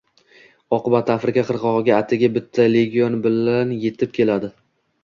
Oqibatda Afrika qirg‘og‘iga atigi bitta legion bilan yetib keladi